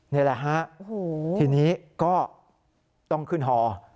นี่แหละฮะทีนี้ก็ต้องขึ้นฮอ